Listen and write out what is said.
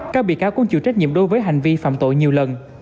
các bị cáo cũng chịu trách nhiệm đối với hành vi phạm tội nhiều lần